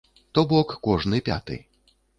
То бок, кожны пяты.